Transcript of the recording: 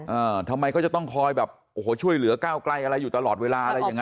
อ่าทำไมเขาจะต้องคอยแบบโอ้โหช่วยเหลือก้าวไกลอะไรอยู่ตลอดเวลาอะไรอย่างเ